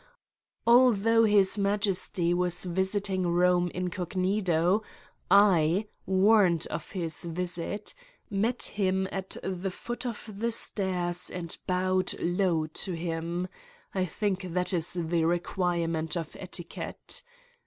Although His Majesty was visiting Rome incognito, I, warned of his visit, met him at the foot of the stairs and bowed low to him I think that is the requirement of etiquette.